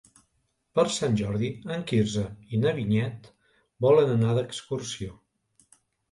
Per Sant Jordi en Quirze i na Vinyet volen anar d'excursió.